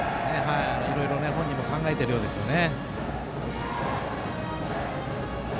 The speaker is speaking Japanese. いろいろ本人も考えているようですね。